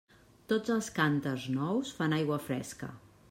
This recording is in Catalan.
Tots els cànters nous fan l'aigua fresca.